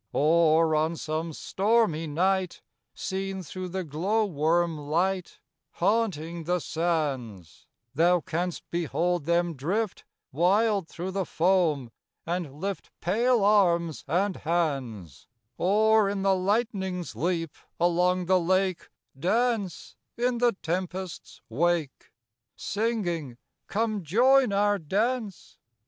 Or, on some stormy night, Seen through the glow worm light Haunting the sands, Thou canst behold them drift Wild thro' the foam, and lift Pale arms and hands; Or, in the lightning's leap, along the lake, Dance in the tempest's wake. Singing: "Come join our dance!